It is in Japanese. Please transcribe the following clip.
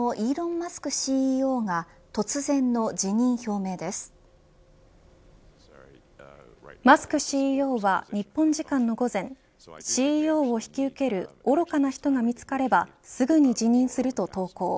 マスクＣＥＯは日本時間の午前ＣＥＯを引き受ける愚かな人が見つかればすぐに辞任すると投稿。